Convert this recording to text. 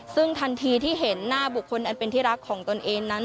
ซึ่งทันทีที่เห็นหน้าบุคคลอันเป็นที่รักของตนเองนั้น